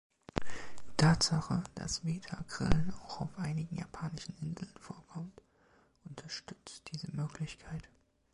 Die Tatsache, dass Weta-Grillen auch auf einigen japanischen Inseln vorkommen, unterstützt diese Möglichkeit.